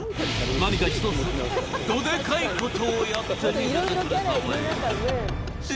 何か１つ、どでかいことをやって見せてくれたまえ！」